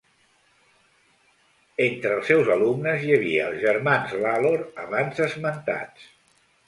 Entre els seus alumnes hi havia els germans Lalor abans esmentats.